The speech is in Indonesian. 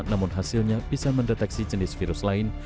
namun hasilnya bisa mendeteksi jenis virus lain